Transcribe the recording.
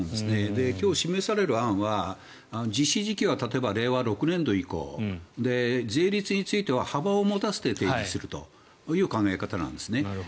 今日示される案は実施時期は例えば令和６年度以降税率については幅を持たせて提示するという考え方なんですね。